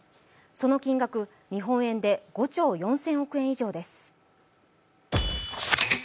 その金額、日本円で５兆４０００億円以上です。